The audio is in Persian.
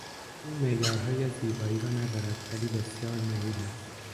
او معیارهای زیبایی را ندارد ولی بسیار ملیح است.